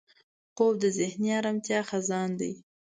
خوب د ذهني ارامتیا خزان دی